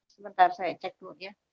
sebentar saya cek dulu